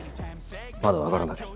まだわからない。